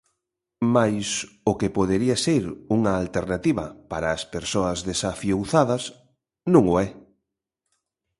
Mais o que podería ser unha alternativa para as persoas desafiuzadas, non o é.